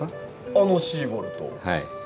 あのシーボルト？